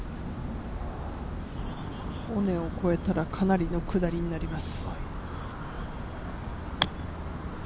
尾根を越えたらかなりの下りになります。